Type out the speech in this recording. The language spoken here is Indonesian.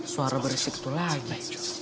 suara berisik itu lagi